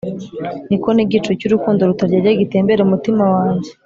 niko nigicu cy’urukundo rutaryarya gitembera umutima wanjye,